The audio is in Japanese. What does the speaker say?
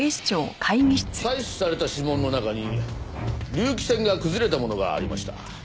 採取された指紋の中に隆起線が崩れたものがありました。